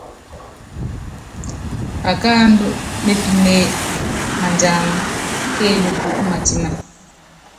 Pakáandú mépíné madíangá kélúkú ú matína.